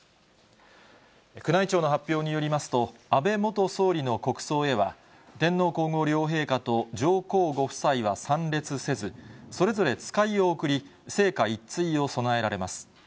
宮内庁の発表によりますと、安倍元総理の国葬へは、天皇皇后両陛下と上皇ご夫妻は参列せず、それぞれ使いを送り、生花一対を供えられます。